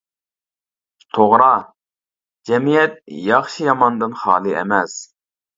توغرا جەمئىيەت ياخشى ياماندىن خالى ئەمەس.